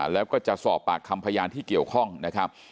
แล้วก็จะสอบปากคำพยานที่เกี่ยวข้องนะครับ